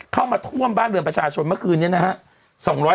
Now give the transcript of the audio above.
เข้ามาท่วมบ้านเรือนประชาชนเมื่อคืนนี้นะครับ